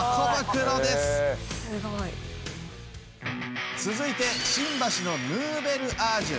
すごい。続いて新橋のヌーベルアージュ。